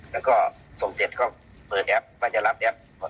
แล้วก็ส่งเสร็จก็เปิดแอปว่าจะรับแอป